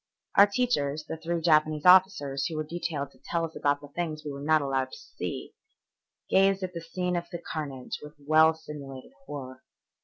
Our teachers, the three Japanese officers who were detailed to tell us about things we were not allowed to see, gazed at the scene of carnage with well simulated horror.